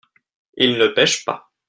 il ne pêche pas.